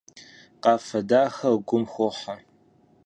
Къафэ дахэр гум хохьэ.